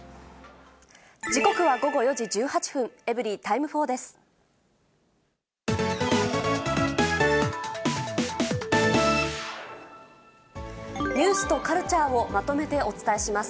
時刻は午後４時１８分、エブリィタイム４です。